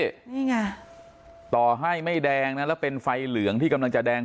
นี่ไงต่อให้ไม่แดงนะแล้วเป็นไฟเหลืองที่กำลังจะแดง